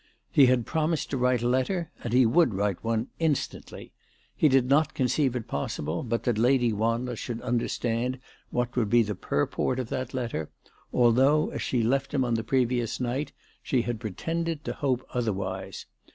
He had promised to write a letter, and he would write one instantly. He did not conceive it possible but that Lady Wanless should understand what would be the purport of that letter, although as she left him on the previous night she had pretended to hope otherwise.